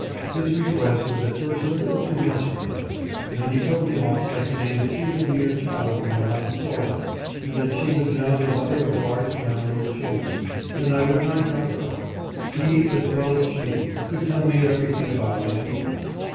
This request was at first a little too much for him, and he put me off by saying that she was a mere child when I last saw her and that she was now the mother of a large family of children and I would not know her. He, as well as she, could tell me everything about my people.